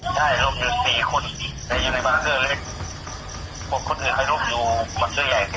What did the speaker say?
ใช่รบอยู่สี่คนในบาร์ทเวอร์และอีกหมดคนอื่นในบาร์ทเวอร์ใหญ่